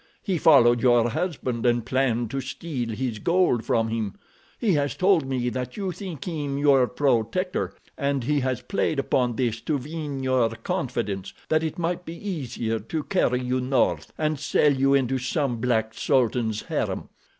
He followed your husband, and planned to steal his gold from him. He has told me that you think him your protector, and he has played upon this to win your confidence that it might be easier to carry you north and sell you into some black sultan's harem.